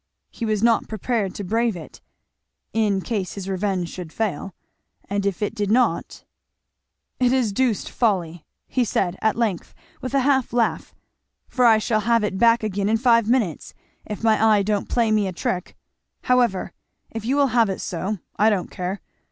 He was not prepared to brave it, in case his revenge should fail; and if it did not "It is deuced folly," he said at length with a half laugh, "for I shall have it back again in five minutes, if my eye don't play me a trick, however, if you will have it so I don't care.